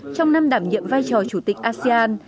trong năm đảm nhiệm vai trò chủ tịch asean